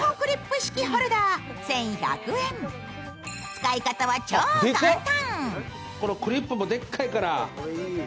使い方は超簡単。